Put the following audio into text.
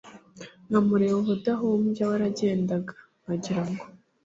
nkamureba ubudahubya waragendaga nkagira ngo